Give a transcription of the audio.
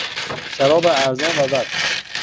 شراب ارزان و بد